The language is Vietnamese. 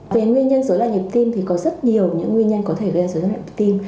về nguyên nhân dối loạn nhịp tim thì có rất nhiều những nguyên nhân có thể gây ra dối loạn nhịp tim